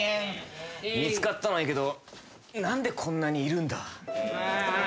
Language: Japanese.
見つかったのはいいけど何でこんなにいるんだ？